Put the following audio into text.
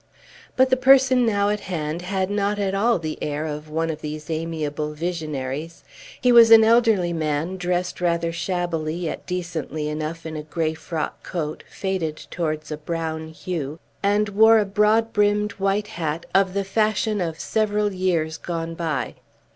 But the person now at hand had not at all the air of one of these amiable visionaries. He was an elderly man, dressed rather shabbily, yet decently enough, in a gray frock coat, faded towards a brown hue, and wore a broad brimmed white hat, of the fashion of several years gone by.